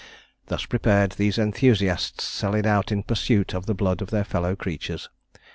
Thus prepared, these enthusiasts sallied out in pursuit of the blood of their fellow creatures.